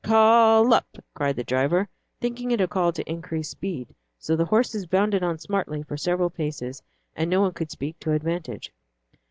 "K lup!" cried the driver, thinking it a call to increase speed; so the horses bounded on smartly for several paces, and no one could speak to advantage.